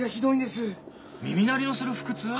耳鳴りのする腹痛！？